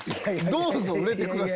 どうぞ売れてください。